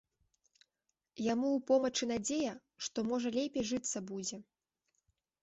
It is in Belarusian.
Яму ў помачы надзея, што, можа, лепей жыцца будзе.